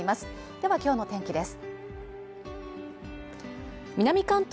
では今日の天気です。